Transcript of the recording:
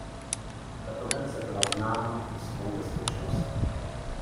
Tato verze byla známá i svou bezpečností.